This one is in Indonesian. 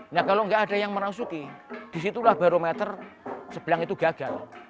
nah kalau nggak ada yang merasuki disitulah barometer sebelang itu gagal